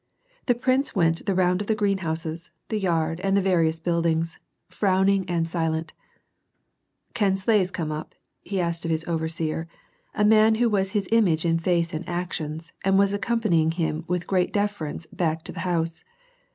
The prince went the round of the greenhouses, the yard, and the various buildings, frowning and silent. " Can sleighs come up," he asked of his overseer, a man who was his image in face and actions, and was accompanying him with groat deference back to the house.